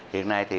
hiện nay thì